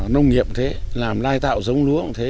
nông nghiệp thế làm lai tạo giống lúa cũng thế